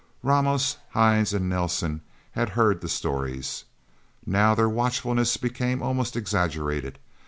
Ramos, Hines, and Nelsen had heard the stories. Now, their watchfulness became almost exaggerated.